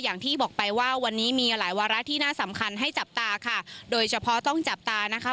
อย่างที่บอกไปว่าวันนี้มีหลายวาระที่น่าสำคัญให้จับตาค่ะโดยเฉพาะต้องจับตานะคะ